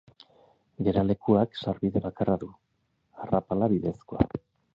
Geralekuak sarbide bakarra du, arrapala bidezkoa.